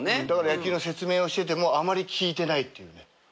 だから野球の説明をしててもあまり聞いてないっていうね。